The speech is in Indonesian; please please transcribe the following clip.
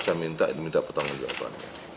saya minta pertanggung jawabannya